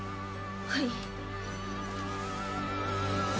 はい。